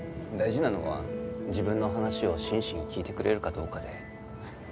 大事なのは自分の話を真摯に聞いてくれるかどうかで。